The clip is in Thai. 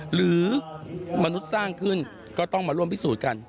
หรือมนุษย์สร้างขึ้นก็ต้องมาร่วมพิสูจน์กัน